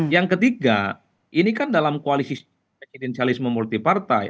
yang ketiga ini kan dalam koalisi presidensialisme multi partai